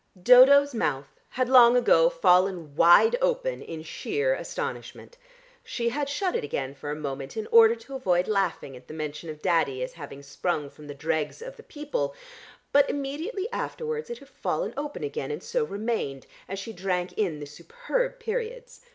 Dodo's mouth had long ago fallen wide open in sheer astonishment. She had shut it again for a moment in order to avoid laughing at the mention of Daddy as having sprung from the dregs of the people, but immediately afterwards it had fallen open again and so remained, as she drank in the superb periods.